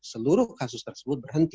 seluruh kasus tersebut berhenti